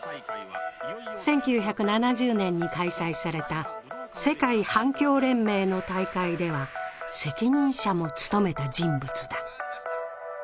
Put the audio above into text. １９７０年に開催された世界反共連盟の大会では責任者も務めた人物だ。